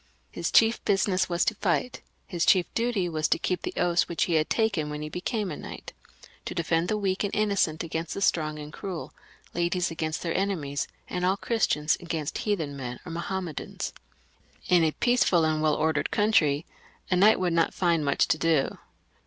His chief business was to fight ; his chief duty was to keep the oaths which he had taken when he became a knight ; to defend the weak and innocent against the strong and cruel, ladies against their enemies, and all Christians against heathens or Mahom medans. In a peaceful and well ordered country a knight would not find much to do.